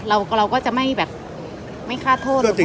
เราก็จะไม่แบบไม่ฆ่าโทษหรอก